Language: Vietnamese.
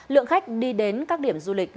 lượng khách đi đến các điểm du lịch